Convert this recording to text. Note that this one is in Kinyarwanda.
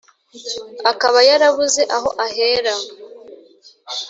akaba yarabuze aho ahera